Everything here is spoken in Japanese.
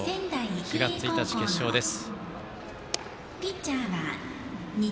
４月１日、決勝です。